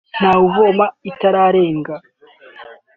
Ntawuvuma iritararenga”